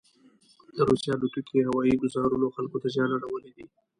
دروسیې الوتکوهوایي ګوزارونوخلکو ته زیان اړولی دی.